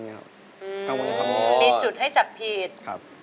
คำว่าจะทำงอมีจุดให้จับผิดครับ